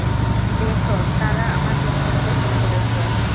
দেখ, তারা আমার পিছু নিতে শুরু করেছে।